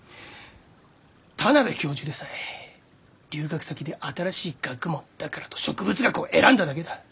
田邊教授でさえ留学先で新しい学問だからと植物学を選んだだけだ！